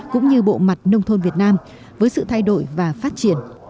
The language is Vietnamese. cũng như bộ mặt nông thôn việt nam với sự thay đổi và phát triển